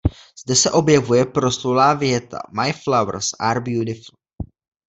Zde se objevuje proslulá věta "My flowers are beautiful".